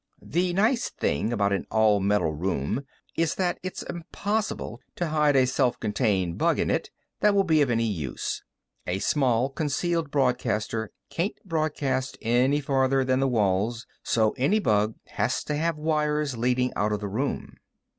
The nice thing about an all metal room is that it's impossible to hide a self contained bug in it that will be of any use. A small, concealed broadcaster can't broadcast any farther than the walls, so any bug has to have wires leading out of the room.